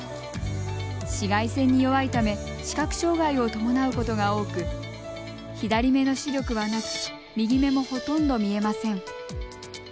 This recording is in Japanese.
紫外線に弱いため視覚障害を伴うことが多く左目の視力はなく右目もほとんど見えません。